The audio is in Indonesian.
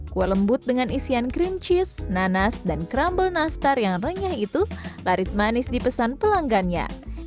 kue lembut dengan isian cream cheese nanas dan krumble nastar yang renyah itu laris manis di pesan pelanggannya